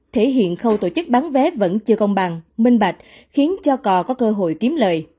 thể hiện khâu tổ chức bán vé vẫn chưa công bằng minh bạch khiến cho cò có cơ hội kiếm lời